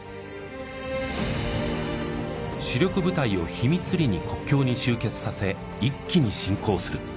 主力部隊を秘密裏に国境に集結させ一気に侵攻する。